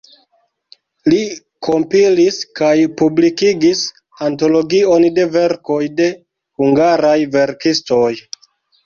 Li kompilis kaj publikigis antologion de verkoj de hungaraj verkistoj.